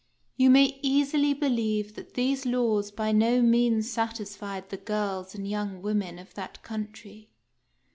You may easily believe that these laws by no means satisfied the girls and young women of that country.